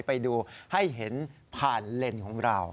ไปดูให้เห็นผ่านเลนส์ของเรา